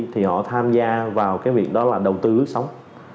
tham gia vào cái việc đó là đầu tư ước sống